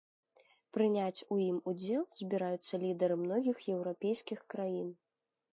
Прыняць у ім удзел збіраюцца лідары многіх еўрапейскіх краін.